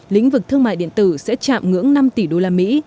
lĩnh vực thương mại điện tử sẽ chạm ngưỡng năm tỷ đô la mỹ